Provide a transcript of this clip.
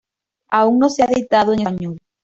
Aún no se ha editado en español.